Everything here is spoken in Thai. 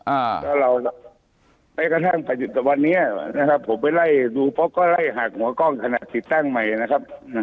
อ่าก็เราไปกระทั่งประจิตวันนี้นะครับผมไปไล่ดูป๊อกก็ไล่หักหัวกล้องขนาดสิบตั้งใหม่นะครับ